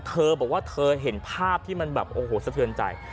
เธอบอกว่าเธอเห็นภาพที่มันแบบโอ้โหสะเทือนใจ